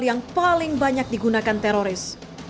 yang paling banyak digunakan teroris